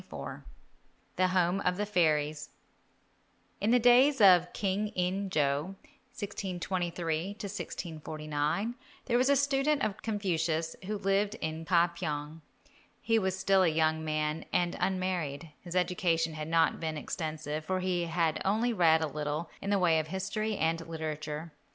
XXIV THE HOME OF THE FAIRIES In the days of King In jo (1623 1649) there was a student of Confucius who lived in Ka pyong. He was still a young man and unmarried. His education had not been extensive, for he had read only a little in the way of history and literature.